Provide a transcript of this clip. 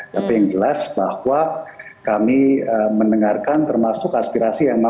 tapi yang jelas bahwa kami mendengarkan termasuk aspirasi yang menarik